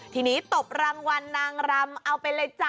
ตกรางวัลนางลำเอาไปเลยจ้ะ